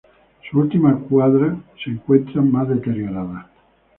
Sus últimas cuadras se encuentran más deterioradas.